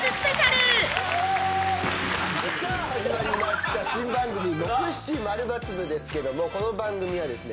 さあ始まりました新番組『木７◎×部』ですけどもこの番組はですね